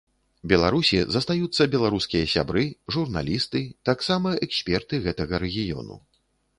Беларусі застаюцца беларускія сябры, журналісты, таксама эксперты гэтага рэгіёну.